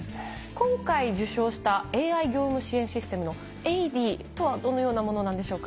今回受賞したＡＩ業務支援システムの「エイディ」とはどのようなものなんでしょうか？